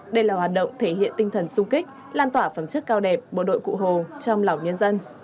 đây là hoạt động thể hiện tinh thần sung kích lan tỏa phẩm chất cao đẹp bộ đội cụ hồ trong lòng nhân dân